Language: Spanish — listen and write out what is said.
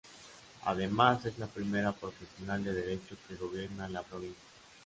Además es la primera profesional del Derecho que gobierna la provincia.